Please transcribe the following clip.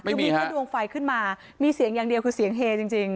คือมีแค่ดวงไฟขึ้นมามีเสียงอย่างเดียวคือเสียงเฮจริง